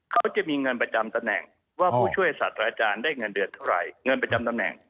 เขาจะมีเงินประจำตำแหน่งว่าผู้ช่วยสัตว์อาจารย์ได้เงินเดือนเท่าไหร่เงินประจำตำแหน่ง